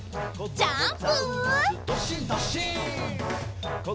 ジャンプ！